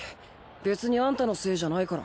別にアンタのせいじゃないから。